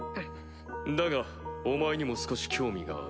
だがお前にも少し興味がある。